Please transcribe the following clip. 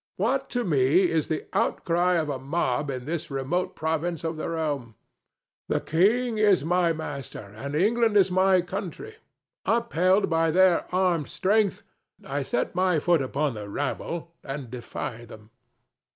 What to me is the outcry of a mob in this remote province of the realm? The king is my master, and England is my country; upheld by their armed strength, I set my foot upon the rabble and defy them."